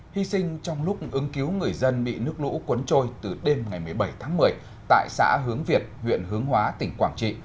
hy sinh trong lúc ứng cứu người dân bị nước lũ cuốn trôi từ đêm ngày một mươi bảy tháng một mươi tại xã hướng việt huyện hướng hóa tỉnh quảng trị